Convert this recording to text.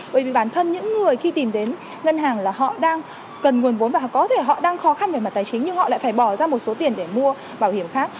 bởi vì bản thân những người khi tìm đến ngân hàng là họ đang cần nguồn vốn và có thể họ đang khó khăn về mặt tài chính nhưng họ lại phải bỏ ra một số tiền để mua bảo hiểm khác